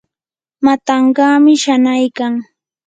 matankaami shanaykan.